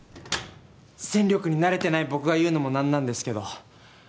戦力になれてない僕が言うのもなんなんですけど。